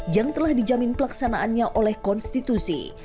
yang telah dijamin pelaksanaannya oleh konstitusi